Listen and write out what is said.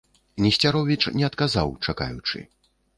Несцяровіч не адказаў, чакаючы.